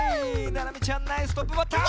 ななみちゃんナイストップバッター。